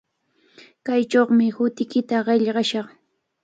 Kaychawmi hutiykita qillqashaq.